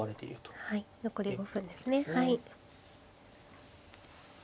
はい残り５分ですねはい。